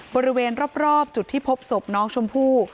บริเวณรอบจุดที่พบศพน้องชมพู่